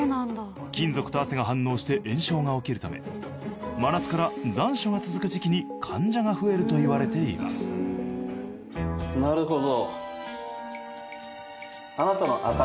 金属と汗が反応して炎症が起きるため真夏から残暑が続く時期に患者が増えると言われていますなるほど。